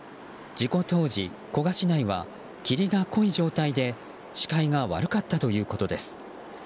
事故当時、古河市内は霧が濃い状態で視界が悪かったということです。